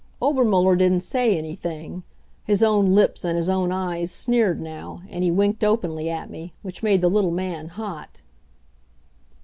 Obermuller didn't say anything. His own lips and his own eyes sneered now, and he winked openly at me, which made the little man hot.